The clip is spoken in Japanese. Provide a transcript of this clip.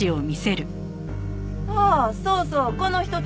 ああそうそうこの人たち。